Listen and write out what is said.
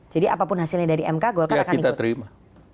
jadi apapun hasilnya dari mk golkar akan ikut ya kita terima